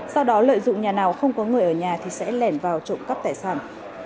sau đó lợi dụng nhà nào không có người ở nhà thì sẽ lẻn vào trộm cắp tài sản